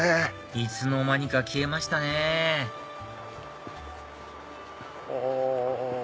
いつの間にか消えましたねあ。